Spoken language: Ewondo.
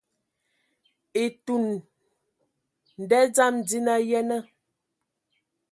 Etun nda dzam dzina, yenə.